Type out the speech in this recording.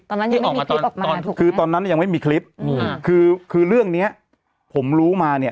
ตอนนั้นยังไม่มีคลิปออกมาถูกนะครับคือตอนนั้นยังไม่มีคลิปคือเรื่องนี้ผมรู้มาเนี่ย